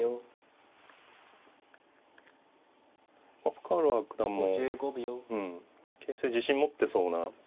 深浦九段もうん形勢自信持ってそうな。